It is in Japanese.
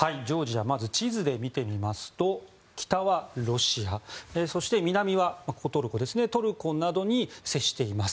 まず地図で見てみますと北はロシア、そして南はトルコなどに接しています。